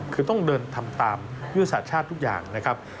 คือต้องเดินทำตามยุทธศาสตร์ชาติทุกอย่างนะครับ